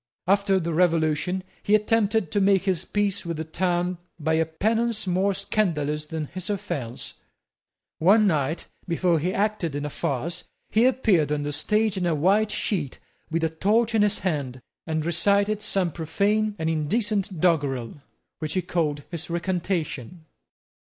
After the Revolution, he attempted to make his peace with the town by a penance more scandalous than his offence. One night, before he acted in a farce, he appeared on the stage in a white sheet with a torch in his hand, and recited some profane and indecent doggerel, which he called his recantation.